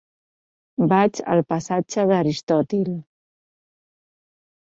Vaig al passatge d'Aristòtil.